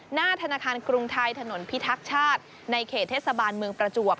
หน้าธนาคารกรุงไทยถนนพิทักษ์ชาติในเขตเทศบาลเมืองประจวบ